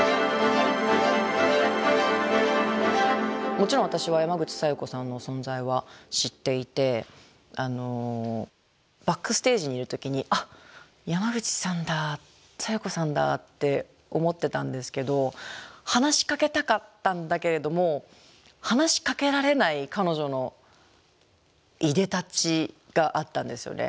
もちろん私は山口小夜子さんの存在は知っていてバックステージにいる時にあっ山口さんだ小夜子さんだって思ってたんですけど話しかけたかったんだけれども話しかけられない彼女のいでたちがあったんですよね。